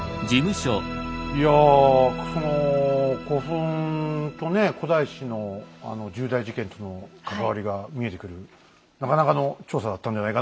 いやその古墳とね古代史の重大事件との関わりが見えてくるなかなかの調査だったんじゃないかな。